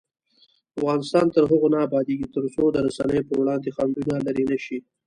افغانستان تر هغو نه ابادیږي، ترڅو د رسنیو پر وړاندې خنډونه لیرې نشي.